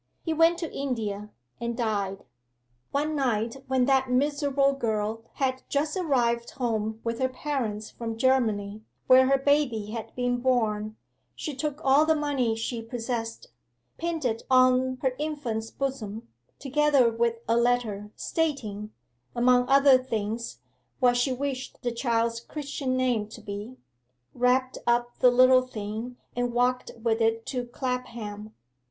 He went to India, and died. 'One night when that miserable girl had just arrived home with her parents from Germany, where her baby had been born, she took all the money she possessed, pinned it on her infant's bosom, together with a letter, stating, among other things, what she wished the child's Christian name to be; wrapped up the little thing, and walked with it to Clapham.